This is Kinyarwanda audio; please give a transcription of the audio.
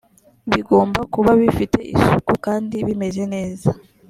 bigomba kuba bifite isuku kandi bimeze neza